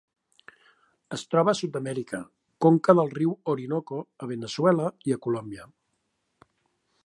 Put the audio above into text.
Es troba a Sud-amèrica: conca del riu Orinoco a Veneçuela i Colòmbia.